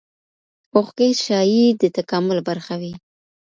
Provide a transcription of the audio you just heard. اوښکې ښايي د تکامل برخه وي.